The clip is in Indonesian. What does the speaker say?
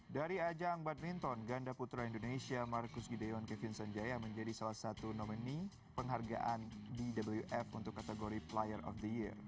dari ajang badminton ganda putra indonesia marcus gideon kevin sanjaya menjadi salah satu nomini penghargaan bwf untuk kategori player of the year